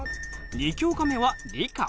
２教科目は理科。